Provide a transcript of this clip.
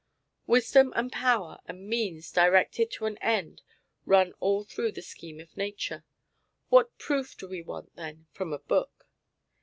Wisdom and power and means directed to an end run all through the scheme of Nature. What proof do we want, then, from a book?